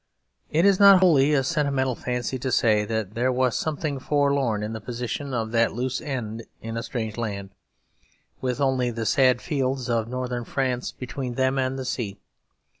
It is not wholly a sentimental fancy to say that there was something forlorn in the position of that loose end in a strange land, with only the sad fields of Northern France between them and the sea.